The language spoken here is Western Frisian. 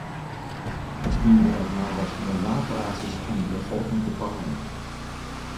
Miskien binne it mar wat moaiwaarpraatsjes om de befolking te paaien.